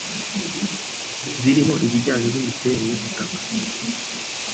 birimo ibijyanye n’imiterere y’ubutaka